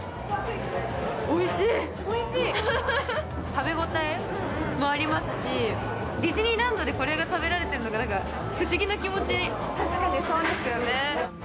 食べ応えもありますしディズニーランドでこれが食べられてるのが何か確かにそうですよね